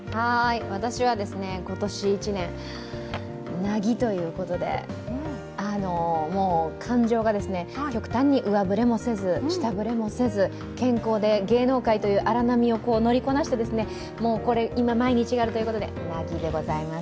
私は今年１年「凪」ということで感情が極端に上振れもせず下振れもせず健康で芸能界とい荒波を乗りこなしてもうこれ、毎日があるということで「凪」でございます。